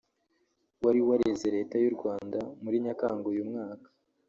wari wareze Leta y’u Rwanda muri Nyakanga uyu mwaka